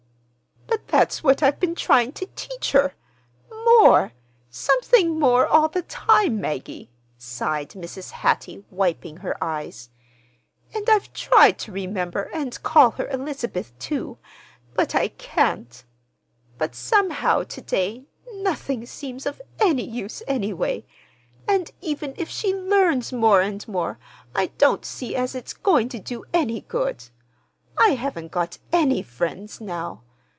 "But that's what I've been trying to teach her—'more,' something more all the time, Maggie," sighed Mrs. Hattie, wiping her eyes. "And I've tried to remember and call her Elizabeth, too.—but I can't. But, somehow, to day, nothing seems of any use, any way. And even if she learns more and more, I don't see as it's going to do any good. I haven't got any friends now.